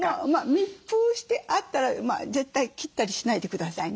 密封してあったら絶対切ったりしないでくださいね。